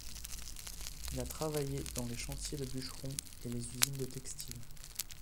Il a travaillé dans les chantiers de bûcheron et les usines de textiles.